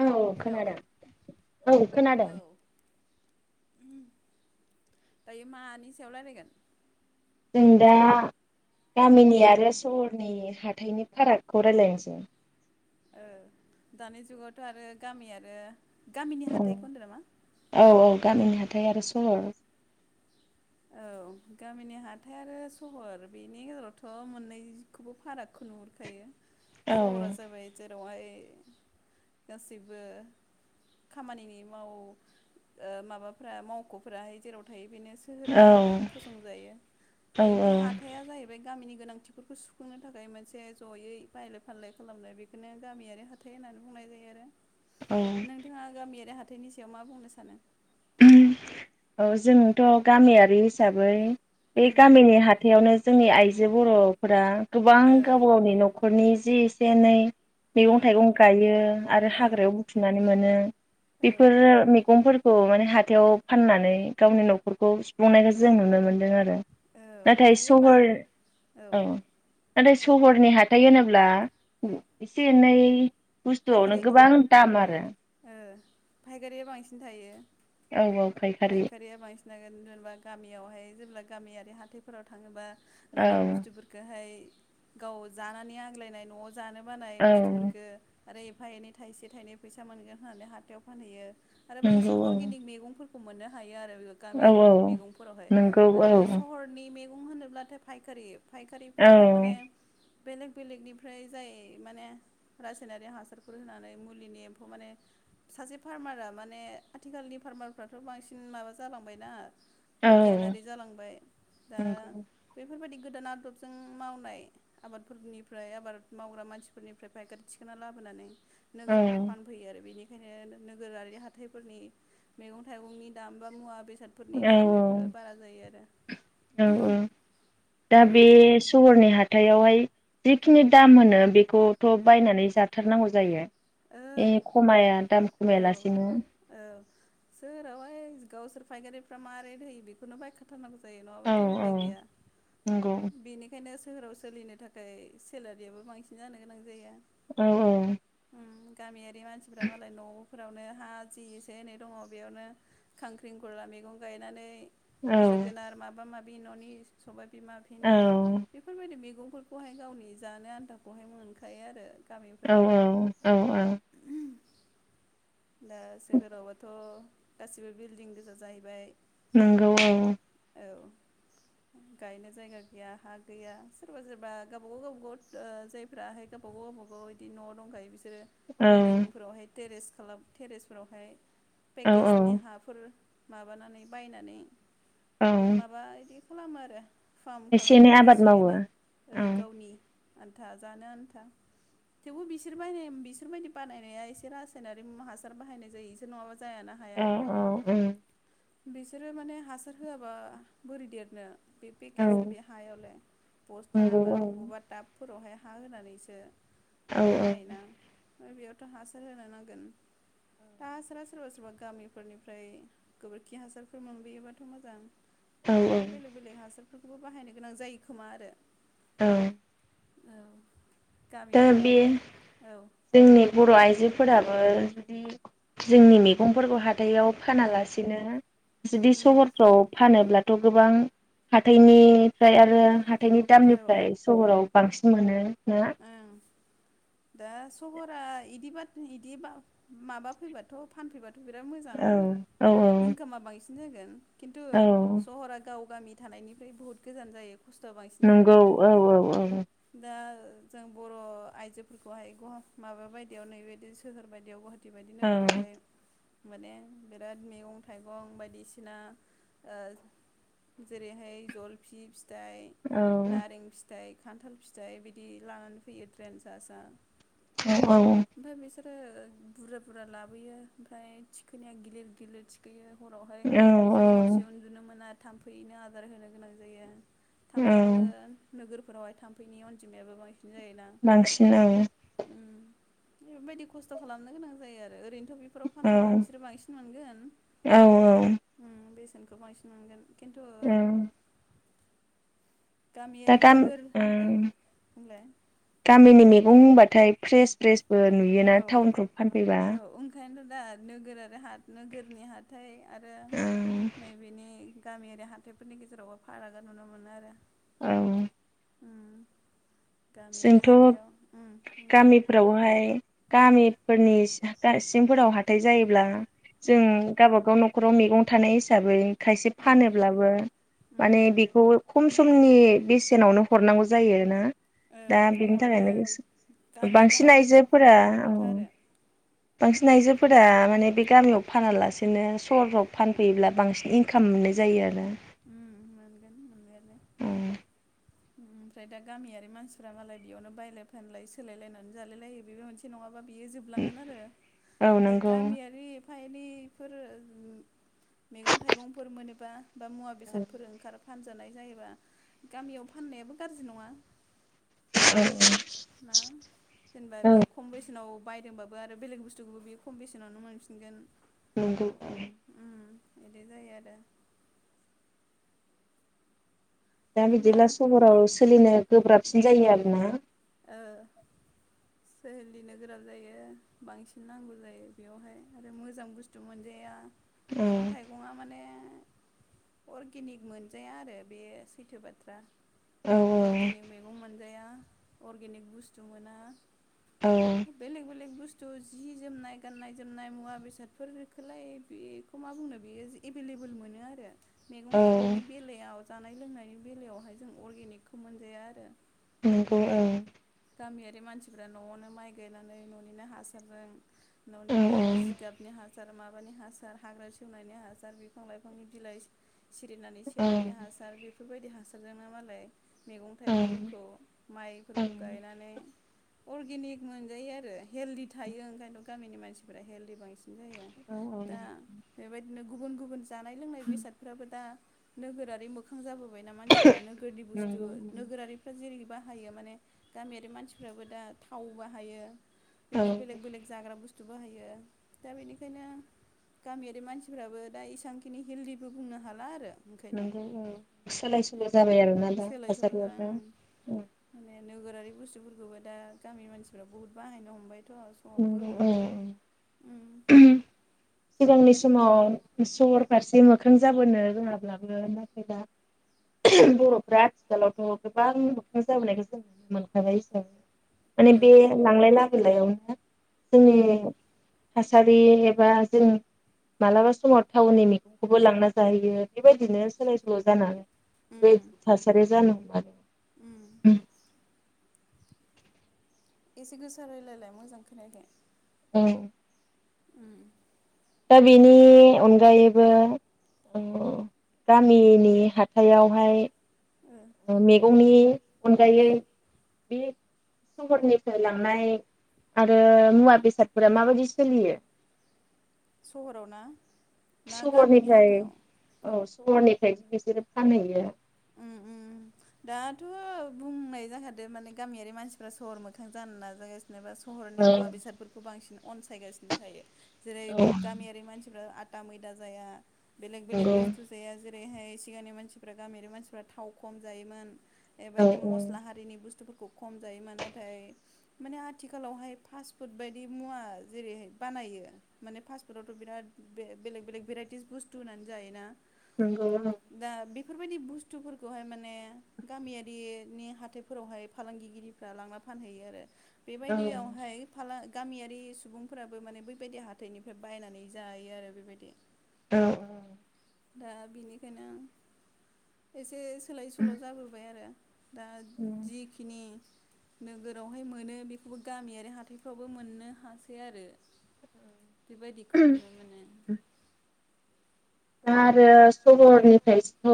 औ हेलौ खोनादों औ खोनादों। औ दायो मानि सायाव रायलायगोन? जों दा गामिनि आरो सहरनि हाथाइनि फारागखौ रायलायनोसै। ओ दानि जुगावथ' आरो गामि आरो गामिनि औ हाथाइखौ होनदों नामा औ औ गामिनि हाथ थाय आरो सहर औ गामिनि हाथाय आरो सहर बेनि गेजेरावथ' मोननैखौबो फारागखौ नुहुरखायो। औ सहरा जाबाय जेरावहाय ए गासैबो खामानिनि माव ओ माबाफ्रा मावख'फ्राहाय जेराव थायो बेनो सोहोर महरै फसंजायो। औ ओरैनोथ' हाथाया जाहैबाय गामिनि गोनांथिफोरखौ सुफुंनो थाखाय मोनसे जयै बायलाय फानलाय खालामनाय बेखोनो गामियारि हाथाय होननानै बुंनाय जायो आरो। औ नोंथांङा गामियारि हाथ थायनि सायाव मा बुंनो सानो? औ जोंथ' गामियारि हिसाबै बे उम गामिनि हाथायावनो जोंनि आइज जे बर'फोरा गोबां ओ गावबा गावनि न'खरनि जि एसे एनै मैगं उम थाइगं गायो आरो औ हाग्रायाव बुथुमनानै मोनो औ बेफोरो मैगंफोर औ माने हाथायाव फाननानै गावनि न'खरखौ सुफुंनायखो जों नुनो मोन्दों आरो। औ नाथाय बे बा सहर औ नाथाय सहरनि हाथाइ होनोब्ला। एसे एनै बुस्थुआवनो फायखारि गोबां दाम आरो। फायगारिया बांसिन थायो। औ औ फायखारि फायखारिया बांसिन नागोन जेनेबा गामियावहाय। जेब्ला गामियारि हााइफोराव थाङोबा। औ न'नि बुस्थुफोरखौहाय। गाव जानानै आग्लायनाय न'आव। जानो बानाय औ बुस्थुफोरफोरखो। आरो एफा एनै थाइसे थाइनै फैसा मोनगोन होननानै हाथायाव फानहैयो। आरो नंगौ बांसिन औ अर्गेनिक मैगंफोरखौ। मोननो हायो आरो। औ गामियारि औ बिदि मैगं फोरावहाय। नंगौ औ फ होनोब्लाथाय फायखारि। औ फायखारिफ्राहाय माने। बेलेग बेलेगनिफ्राय जाय माने फनारि हासारफोर होनानै मुलिनि एम्फौ माने सासे फार्मारा माने आथिखालनि फार्मारफ्राथ' बांसिन माबा जालांबायना। औ बिगियानारि जालांबाय दा नंगौ बेफोरबायाददि। गोदान आदबजों मावनाय आबादफोरनिफ्राय आबाद मावग्रा मानसिफोरनिफ्राय फाइकारि। थिखोनना लाबोनानै। औ नोगोरफोराव फानफैयो आरो बिनि बेखायनो नोगोरारि हााइफोरनि मैगं थाइगंनि दाम बा मुवा बे हथादफोरनि औ दाम बेफोरो बारा जायो आरो। औ औ दा बे उम सहरनि हाथायावहाय। जिखिनि दाम होनो बेखौथ' बायनानै जाथारनांगौ जायो। ओ ए खमाया दाम खमायालासिनो। सोराव इ गावसोर फायगारिफ्रा माबारै दैयो बेखौनो बायखाथारनांगौ। जायो औ नङाबाथ' औ उफाय गैया नंगौ बेनिखायनो। सोहोराव सोलिनो थाखाय सेलारियाबो बांसिन जानो गोनां जाया। औ औ। गामियारि बे मानसिफोरा्रा मालाय न'आव। फोरावनो हा जि एसे एनै दङ बेयावनो खांख्रिं गुरला मैगं गायनानै। जोगोनार माबा माबि। ननि सबबाय बिमा, औ भिन्दि बेफोरबायदि मैगं न'फोरखौहाय गावनि जानो आनथाखौहाय मोनखायो आरो। [unintelligible] औ औ औ। दा सोहोरावबाथ' गासिबो बिल्दिं गोजा जाहैबाय। नंगौ औ। औ गायनो जायगा गैया हा गैया सोरबा -सोरबा गावबा -गाव गावबा-गाव जायफ्राहाय गावबा- गाव गावबा-गाव बिदि न' दंखायो बिसोर बिसोरो औ बिल्दिंफोरावहाय टेरेस खालाम टेरेसफोरावहाय औ औ पेकेजनि हाफोर माबानानै बायनानै औ माबा बिदि खालामो आरो। फार्म एसे खालामो एनै ओरै आबाद एसे मावो एनै औ गावनि आन्था जानो आन्था थेवबो बिसोर बाय- बिसोरबायदि बानायनाया एसे रासायनारि [unintelligible] बाहायनाय जायो नङाबा जायाना हाया। औ औ बिसोरो माने हासार होआबा बोरै देरनो। बि पि औ केस [unintelligible] नंगौ बस्थाबा औ अबावबा ताब फोरावहाय हा होनानैसो औ बानायोना बेयावथ' हासार होनो नांगोन। दा हासारा सोरबा -सोरबा गामिफोरनिफ्राय गोबोरखि हासारफोर मोनबोयोबाथ' मोजां। औ [unintelligible] बेलेग बेलेग [unintelligible] बेफोरखौबो बाहायनो गोनां जायो खोमा आरो। औ। औ। दा गामियावथ' बे आरो औ जोंनि बुंलाय बर' आइजोफोराबो जि जोंनि मैगंफोरखौ हाथायाव फानालासिनो जुदि उम सहरफ्राव फानोब्ला गोबां हाथायनिफ्राय आरो [unintelligible] [unintelligible] औ दामनिफ्राय सहराव बांसिन मोनो ना? ओं दा सहरा इदि- इदि माबा फैबाथ' फानफैबाथ' बिराद मोजां औ औ इनकामा बांसिन। बि जागोन खिन्थु औ सहरा गाव गामि थानायनिफ्राय बुहुत गोजान जायो। खस्थ'आ बांसिन जागोन नंगौ आरो। औ औ औ दा जों बर' आइजोफोरखौहाय गहा माबा बायदियाव नैबेबादि सोहोर बायदियाव गहा टि बायदि नोगोरावहाय माने बिराद मैगं थाइगं बायदिसिना ओ जेरैहाय जलफि फिथाइ औ नारें फि फिथाइ खान्थाल फिथाइ बिदि लानानै फैयो ट्रेन सा सा। औ औ। सोरो बुरजा बुरजा लाबोयो ओमफ्राय थिखोनाया गिलिर गिलिर थिखोयो हरावहाय औ बिसोरो हरसे उन्दुनो मोना आरो थाम्फैनो आदार होनो गोनां जायो। औ थाम्फैया आरो नोगोर बेफोरावहाय थाम्फैनि अनजियाबो बां सिन जायोना। बांसिन औ उम। बेफोरबायदि खस्थ' खालामनो गोनां जायो आरो ओरैनो बेफोराव औ फानफैबा बिसोरो बांसिन मोनगोन। औ उम बे सेनखौ बांसिन मोनगोन। खिन्थु औ दा गामियारि गाम नोगोर औ उम बुंलाय गामिनि मेगं होनबा थाय फ्रेस फ्रेस बो नुयोना औ टाउनफ्राव फानफैबा। औ ओंखायनोथ' दा नोगोर आरो हा नोगोरनि हाथाय आरो नैबेनि गामियारि हाथाइफोरनि गेजेरावबो फारागा नुनो मोनो आरो। औ। उम गामियारि जोंथ' हाथाइयाव उम होनलाय। गामिफोरावहाय गामिफोरनि सिंफोराव हाथाय जायोब्ला जों उम गावबा गाव न' खराव मेगं थानाय हिसाबै खायसे उम फानोब्लाबो उम माने बेखौ खम खमनि बेसेनावनो हरनांगौ जायोना? ओ दा बिनि खमावनो थाखायनो गोसो गामियारि बांसिन हाथायफोराव आइजोफोरा खमावनो औ मोनोथ' आरो बांसिन आइजोफोरा माने बे गामियाव फानालासेनो सहरफ्राव फानफैयोब्ला बांसिन इनकाम मोननाय जायो आरो। उ मोनगोन मोननायालाय। आरो ओमफ्राय दा गामियारि मानसिफ्रा मालाय बेयावनो बायलाय फानलाय सोलायलायनानै जालाय लायो बेबो मोनसे नङाबा बियो जोबलांगोन आरो औ दा नंगौ गामियारि फाय बेफोरो मैगं थाइगंफोर मोनोबा बा मुवा औ बेसादफोर ओंखार फानजा जानाय जायोबा गामियाव फाननायाबो गाज्रि नङा। ना जेनेबा औ बे खम बेसेनाव बायदोंबाबो आरो बेलेग बुस्थुखौबो बे खम बेसेनावनो मोनफिनगोन नंगौ उम बिदि जायो आरो। दा बिदिनो बिदिब्ला सहराव सोलिनो गोब्राब सिन जायो आरो ना? ओ सोलिनो गोब्राब जायो बांसिन नांगौ जायो बेयावहाय आरो मोजां बुस्थु मोनजाया। औ मैगं-थाइगङा माने अर्गेनिक मोनजाया आरो बे सैथो बाथ्रा औ अर्गेनिक मैगं मोनजाया। अर्गेनिक बुस्थु मोना, औ बेलेग बेलग बु बुस्थु जि जोमनाय गाननाय जोमनाय मुवा बेसादफोरखौलाय बेखौ मा बुंनो बेयो एभेलेबल मोनो आरो मैगं औ थाइगंनि बेलायाव जानाय लोंनायनि बेलायावहाय जों अर्गेनिकखौ मोनजाया आरो। नंगौ औं गामियारि मानसिफ्रा न'आवनो माइ गायनानै न'निनो हासारजों औ न'निनो जिगाबनि हासार माबानि हासार हाग्रा सेवनायनि हासार बिफां लाइफांनि बिलाइ सिरिनानै औ सेवनायनि हासार बेफो बेफोरबायदि हासारजोंनो मालाय मैगं थाइगंफोरखौ औ माइफोरखौ गायनानै अरगेनिखक मोनजायो आरो हेलदि थायो ओंखायनोथ' गामिनि मानसिफ हेलदि बांसिन जायो औ दा बेबायदिनो गुबुन गुबुन जानाय लोंनाय बेसादफ्राबो दा नोगोरारि मोखां जाबोबायना मानसिफ नो गोोरदनि बुस्थु नंगौ औ नोगोरारिफ्रा जेरैबा‌ हायो माने गामियारि मानसिफ्राबो दा थाव बाहायो बिदिनो बेलेग बेलेग जाग्रा बुस्थु बाहायो दा बेनिखायनो गामियारि मानसिफ्राबो दा इसबांखिनि हेलदिबो बुंनो हाला आरो। ओंखायनो नोंगौ औ सोलाय सोल' जाबाय आरो ना दा सोलाय सोल' जा हाजारिआबो ओं माने नोगोरारि बुस्थुफोरखौबो दा गामि मानसिफ्रा बुहुत बाहायनो हमबाय थ' सबो नंगौ औ उम सिगांनि समाव सर फारसे मोखां जाबोनो रोङाब्लाबो नाथाय दा बर'फ्रा आथिखालावथ' गोबां मोखां जाबोनायखौ जों नुनो मोनखाबाय हिसाबै माने औ बे लांलाय लाबोलायाव [unintelligible] जोंनि उम थासारि एबा जों मालाबा समाव टाउननि मैगंखौबो लांना जाहैयो बेबायदिनो सोलाय सोल' जानानै बे थासारिया जानो ह [unintelligible] ओम एसे गोसा रायलायलाय मोजां खोनायाखै औ उम दा बेनि अनगायैबो गामिनि ओ हाथायावहाय मेगंनि अनगायै बे सहरनिफ्राय लांनाय आरो मुवा बेसादफोरा माबायदि सोलियो सहराव ना? ना गामिनि सहरनिफ्राय हाथायाव औ सहरनिफ्रायदि बिसोरो फानहैयो उम उम दाथ' बुंनाय जाखादो माने गामियारि मानसिफ्रा सहर मोखां जानो नाजागा [unintelligible] जेनेबा सहरनि औ मुवा बेसादफोरखौ बांसिन अनसायगासिनो थायो। जेरै औ गामियारि मानसिफ्रा [unintelligible] मैदा जाया। बेलेग बेलेग नंगौ बुसथु जाया ओरैहाय सिगांनि मानसिफोरा गामियारि मानसिफोरा थाव खम जायोमोन। औ बेबायदि मस्ला हारिनि बुस्थुफोरखौ खौ खम जायोमोन नाथाय माने आथिखालावहाय फास्टफुड बायदि मुवा जेरैहाय बानायो माने फास्टफुडावथ' बिराद ब बेलेग बेलेग भेराइटिस बुस्थु होनानै जायोना। नंगौ। दा बेफोरबायदि बुस्थुफोरखौहाय माने माने गामियारिनि हाथाइफोरावहाय फालांगिगिरिफ्रा लांना फानहैयो आरो औ बेबायदियावहाय गामियारि सुबुंफोराबो माने बैबायदि हाथाइनिफ्राय बायनानै जायो आरो बेबायदि औ औ दा बेनिखायनो आं एसे सोलाय सोल' जाबोबाय आरो दा जिखिनि नोगोरावहाय मोनो बेखौबो गामियारि हाथाइफ्रावबो मोननो हासै आरो बेबायदिखौ नुनो मोनो दा आरो सहरनिफ्रायथ'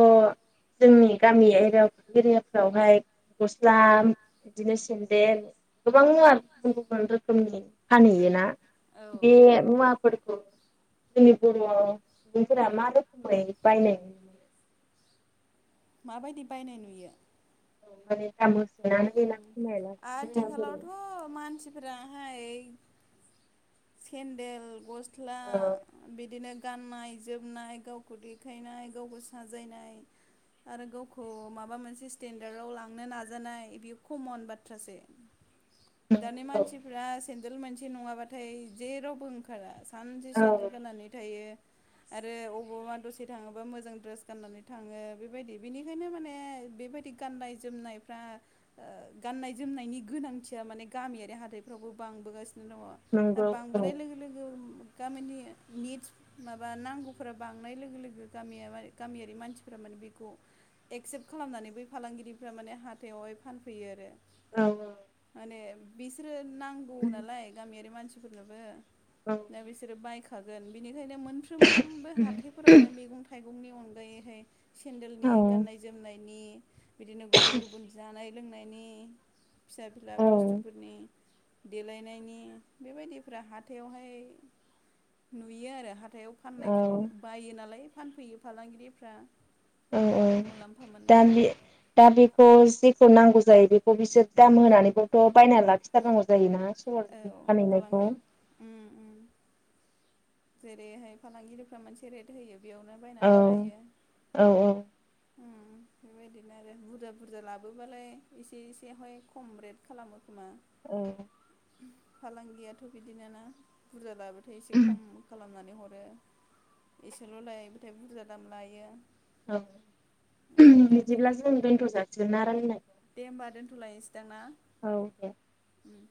जोंनि गामिआरि एरियाफ्रावहाय गस्ला बिदिनो सेन्देल गोबां मुवा गुबुन गुबुन रोखोमनि फानहैयोना औ बे मुवाफोरखौ जोंनि बर' फोरा मा रोखोमै बायनाय मोन माबायदि बायनाय नुयो औ माने थामसानो ग उम न [unintelligible] आथिखालावथ' मानसिफोरा सेडेल बस सिख्ला औ बिदिनो गाननाय जोमनाय गावखौ देखायनाय गावखौ साजायनाय आरो गावखौ माबा मोनसे स्टेन्डार्डआव लांनो नाजानाय बेयो कमन बाथ्रासो दानि नंगौ औ मानसिफ्रा मोनसे नङाबा नाथाय जेरावबो ओंखारा सानसे औ सेन्देल गाननानै थायो आरो अोबावबा दसे थाङोबा मोजां ड्रेस गाननानै थाङो बेबायदि बेनिखायनो माने बेबायदि गाननाय जोमनायफ्रा गाननाय जोमनायनि गोनांथिया माने गामियारि हाथाइफ्रावबो बांबोगासिनो द दा नंगौ औ बांबोनाय लोगो लोगो गामिनि निड्स माबा नांगौफोरा बांनाय लोगो लोगो गामिया गामियारि मानसिफ्रा माने बेखौ एक्सेप्ट खालामनानै बै फालांगिरिफ्रा माने हाथायावहाय फानफैयो आरो औ माने बिसोरो नांगौ नालाय गामियारि मानसि सोरनोबा औ ना बिसोरो बाय थागोन बिनि निखायनो मोनफ्रोमबो हाथाइफोरावनो मैगं थाइ सुबुंनि अनगायैहाय सेन्देलनि गाननाय जोमनायनि बिदिनो गुबुन गुबुन जानाय लोंनायनि फिसा बिला औ बुस्थुफोरनि देलायनायनि बेबायदिफ्रा हाथायावहाय नुयो आरो हाथायाव फाननायखौ औ बायो नालाय फानफैयो फालांगिरिफ्रा औ औ मुलाम्फा दा मोननो बे दा बेखौ जेखौ नांगौ जायो बे खौ बिसोर दाम होनानैबोथ' बायना लाखिथारनांगौ जायोना? सहरनि औ खालाम फानहैनायखौ उम उम जेरैहाय फालांगिरिफ्रा मोनसे रेट होयो। बेयावनो औ बायनानै लायो। औ औ उम बेबायदिनो आरो बुरजा बुरजा लाबोबालाय एसे एसेहाय खम रेट खालामो खोमा औ फालांगियाथ' बिदिनोना बुरजा लाबो थाय एसे खम खालामना नानै हरो एसेल' लायोब्लाथाय बुरजा दाम लायो। औ बेबायदि बिदिब्ला जो दोनथ'जा [unintelligible] दे होमबा दोन्थ'लायनोसैदां ना? औ दे। उम